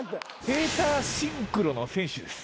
セーターシンクロの選手です。